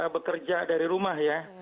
bekerja dari rumah ya